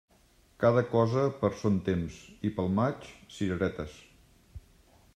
Cada cosa per son temps i pel maig cireretes.